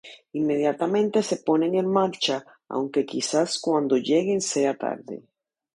Inmediatamente se ponen en marcha, aunque quizá cuando lleguen sea tarde.